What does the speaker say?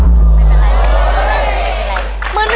ไม่เป็นไร